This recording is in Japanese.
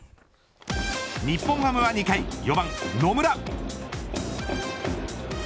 日本ハムは２回４番野村。